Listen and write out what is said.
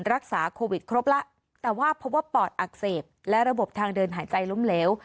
รักษาโควิดครบแล้วแต่ว่าพบว่าปอดอักเสบและระบบทางเดินหายใจล้มเหลว